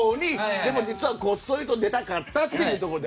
でも実はこっそりと出たかったっていうところで。